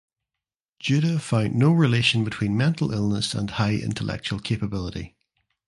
Juda found no relation between mental illness and high intellectual capability.